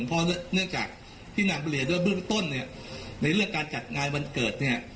เพราะเนื่องจากที่นางบุรีด้วยเบื้องต้นเนี่ยในเรื่องการจัดงานวันเกิดเนี่ย